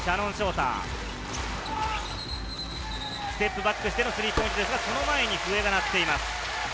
ステップバックしてのスリーポイントですが、その前に笛が鳴っています。